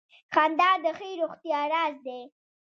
• خندا د ښې روغتیا راز دی.